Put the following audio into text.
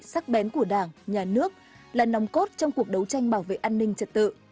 sắc bén của đảng nhà nước là nòng cốt trong cuộc đấu tranh bảo vệ an ninh trật tự